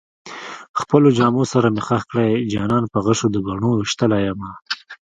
خپلو جامو سره مې خښ کړئ جانان په غشو د بڼو ويشتلی يمه